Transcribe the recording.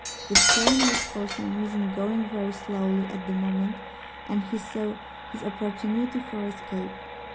The train was for some reason going very slowly at the moment, and he saw his opportunity for escape.